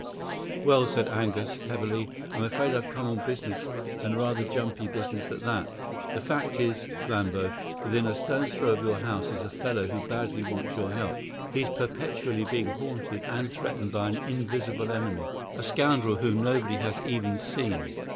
"Well," said Angus heavily. "I'm afraid I've come on business, and rather jumpy business at that. The fact is, Flambeau, within a stone's throw of your house is a fellow who badly wants your help; he's perpetually being haunted and threatened by an invisible enemy a scoundrel whom nobody has even seen."